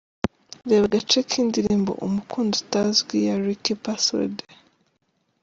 Reba agace k’indirimbo "Umukunzi utazwi" ya Ricky Password.